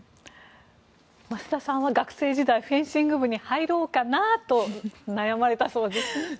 増田さんは学生時代フェンシング部に入ろうかなと悩まれたそうですね。